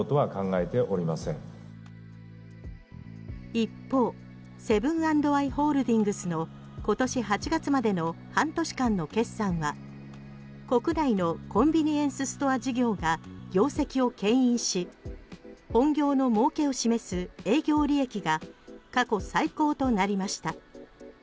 一方、セブン＆アイ・ホールディングスの今年８月までの半年間の決算は国内のコンビニエンスストア事業が業績を牽引し本業のもうけを示す営業利益が過去最高となりました。